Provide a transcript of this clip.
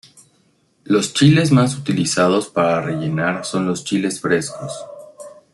Los chiles más utilizados para rellenar son los chiles frescos.